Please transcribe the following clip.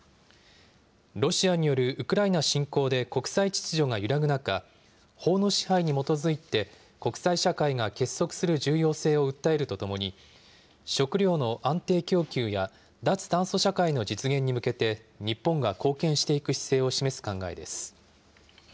ロシアによるウクライナ侵攻で国際秩序が揺らぐ中、法の支配に基づいて、国際社会が結束する重要性を訴えるとともに、食料の安定供給や脱炭素社会の実現に向けて、日本が貢献していく姿勢を示す考えです。